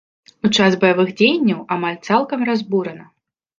У час баявых дзеянняў амаль цалкам разбурана.